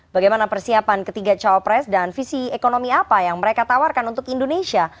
bagaimana persiapan ketiga cawapres dan visi ekonomi apa yang mereka tawarkan untuk indonesia